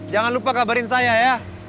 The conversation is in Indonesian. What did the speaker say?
jangan lupa kabarin saya ya